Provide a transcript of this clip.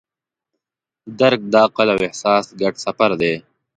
درک د عقل او احساس ګډ سفر دی.